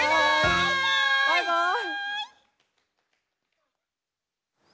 バイバイ！